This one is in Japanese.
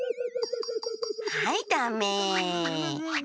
はいダメ。